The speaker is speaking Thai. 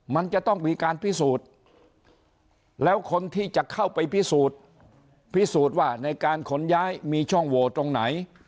มันจะต้องมีการพิสูจน์แล้วคนที่จะเข้าไปพิสูจน์พิสูจน์ว่าในการขนย้ายมีช่องโหวตตรงไหน